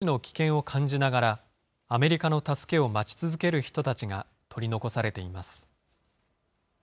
今も命の危険を感じながら、アメリカの助けを待ち続ける人たちが取り残されています。